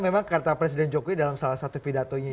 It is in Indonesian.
memang kata presiden jokowi dalam salah satu pidatonya